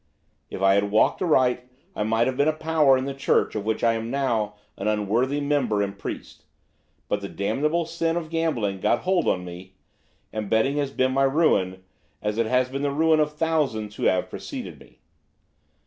If I had walked aright I might have been a power in the Church of which I am now an unworthy member and priest; but the damnable sin of gambling got hold on me, and betting has been my ruin, as it has been the ruin of thousands who have preceded me.